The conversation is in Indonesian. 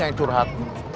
saya yang curhat